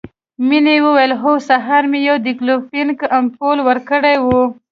مينې وويل هو سهار مې يو ډيکلوفينک امپول ورکړى و.